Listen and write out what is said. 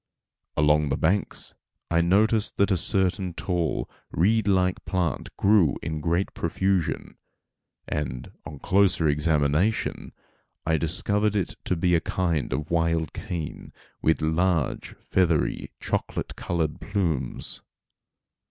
Along the banks I noticed that a certain tall, reed like plant grew in great profusion, and, on closer examination I discovered it to be a kind of wild cane, with large, feathery, chocolate colored plumes.